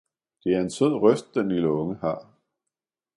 Det er en sød røst den lille unge har!